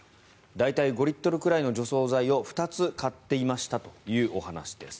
大体５リットルくらいの除草剤を２つ買っていましたというお話です。